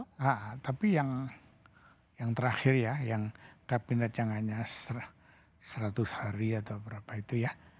nah tapi yang terakhir ya yang kabinet yang hanya seratus hari atau berapa itu ya